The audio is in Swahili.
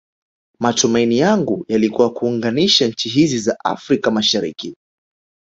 Matumaini yangu yalikua kuunganisha nchi hizi za Afrika mashariki